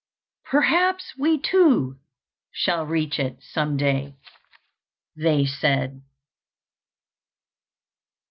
"Perhaps we too shall reach it some day," they said.